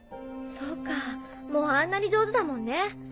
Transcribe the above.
そうかぁもうあんなに上手だもんね。